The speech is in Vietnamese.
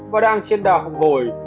và đang trên đào phục hồi